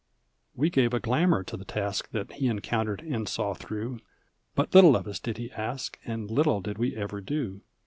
. [4i We gave a glamour to the task That he encountered and saw through. But little of us did he ask, And little did we ever do.